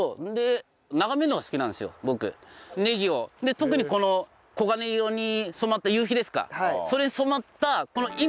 特にこの黄金色に染まった夕日ですかそれに染まったこの今！